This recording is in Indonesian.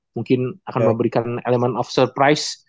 mungkin akan memberikan elemen of surprise